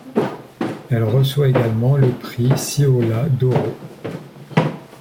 Elle reçoit également le prix Siola d'oro.